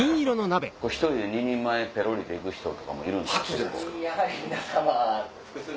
１人で２人前ぺろりと行く人もいるんですか？